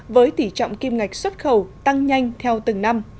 với tỷ trọng kim ngạch xuất khẩu tăng nhanh theo từng năm